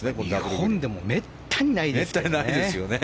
日本でもめったにないですよね。